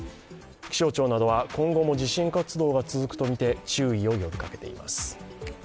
気象庁などは今後も地震活動が続くとみて、注意を呼びかけています。